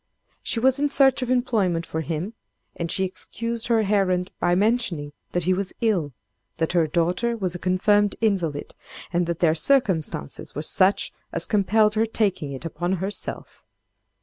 She was in search of employment for him, and she excused her errand by mentioning that he was ill, that her daughter was a confirmed invalid, and that their circumstances were such as compelled her taking it upon herself.